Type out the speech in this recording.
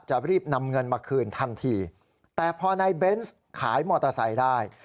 จะรีบนำเงินมาคืนทันทีแต่พอนายเบนส์ขายมอเตอร์ไซค์ได้